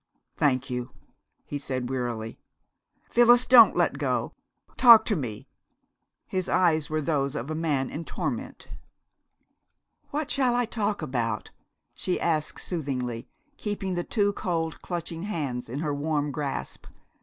Thank you," he said wearily. ... "Phyllis, don't let go! Talk to me!" His eyes were those of a man in torment. "What shall I talk about?" she asked soothingly, keeping the two cold, clutching hands in her warm grasp.